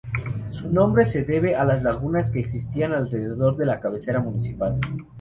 Su nombre se debe a las lagunas que existían alrededor de la cabecera municipal.